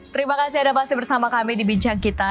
terima kasih anda masih bersama kami di bincang kita